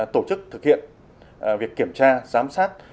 tổ chức thực hiện việc kiểm tra giám sát